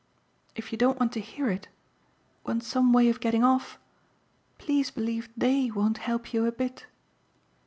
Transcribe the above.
If you don't want to hear it want some way of getting off please believe THEY won't help you a bit."